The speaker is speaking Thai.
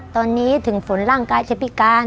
ตอนนี้ถึงฝนร่างกายจะพิการ